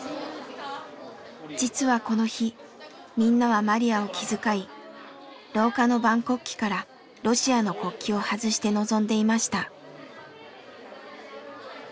実はこの日みんなはマリヤを気遣い廊下の万国旗からロシアの国旗を外して臨んでいました。